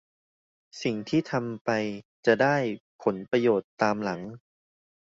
สิ่งที่ทำไปจะได้ผลประโยชน์ตามหลัง